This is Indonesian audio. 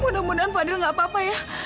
terus mudah mudahan fadil gak papa ya